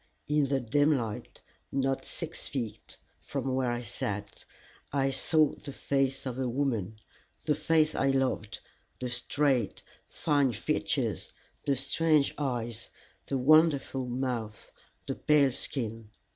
In the dim light, not six feet from where I sat, I saw the face of a woman, the face I loved, the straight, fine features, the strange eyes, the wonderful mouth, the pale skin.